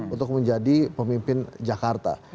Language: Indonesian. untuk menjadi pemimpin jakarta